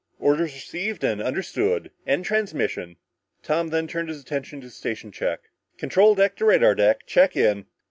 Orders received and understood. End transmission!" Tom then turned his attention to the station check. "Control deck to radar deck. Check in."